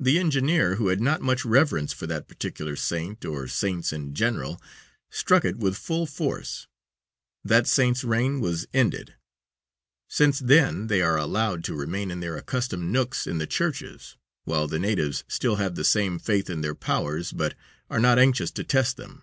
The engineer, who had not much reverence for that particular saint or saints in general, struck it with full force. That saint's reign was ended. Since then they are allowed to remain in their accustomed nooks in the churches, while the natives still have the same faith in their powers, but are not anxious to test them."